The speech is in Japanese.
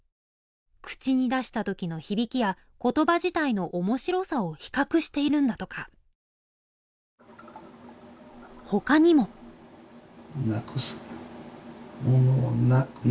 口に出した時の響きや言葉自体の面白さを比較しているんだとか他にも「なくす」。